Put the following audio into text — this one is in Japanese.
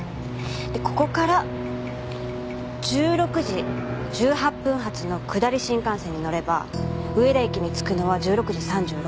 ここから１６時１８分発の下り新幹線に乗れば上田駅に着くのは１６時３６分。